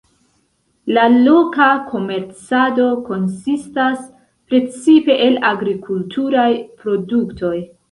La loka komercado konsistas precipe el agrikulturaj produktoj.